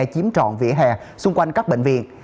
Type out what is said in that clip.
chiếm trọn vỉa hè xung quanh các bệnh viện